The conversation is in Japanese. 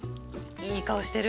いい顔してる！